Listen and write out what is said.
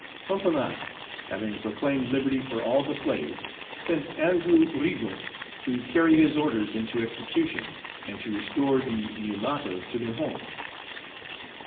Sonthonax Page 67 having proclaimed liberty for all the slaves, sent Andrew Rigaud to carry his orders into execution, and to restore the mulattoes to their homes.